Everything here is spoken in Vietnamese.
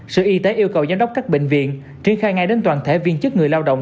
sở y tế yêu cầu giám đốc các bệnh viện triển khai ngay đến toàn thể viên chức người lao động